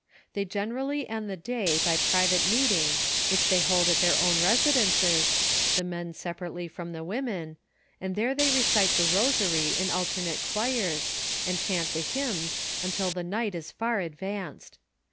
They generally end the day by private meetings which tlioy hold at their own residences, the men separately from the women, and there they recite the rosary in alternate choir% and chant tho hymns, until the night is far advanced.